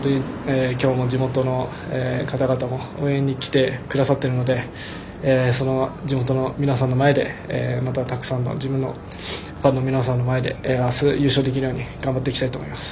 きょうも地元の方々が応援に来てくださっているのでその地元の皆さんの前でまた、たくさんのファンの皆さんの前であす、優勝できるように頑張っていきたいと思います。